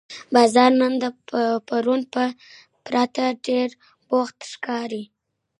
بازار نن د پرون په پرتله ډېر بوخت ښکاري